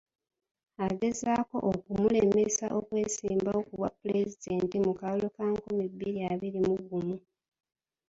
Agezaako okumulemesa okwesimbawo ku bwapulezidenti mu kalulu ka nkumi bbiri abiri mu gumu.